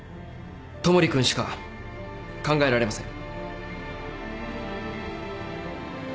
戸守君しか考えられません。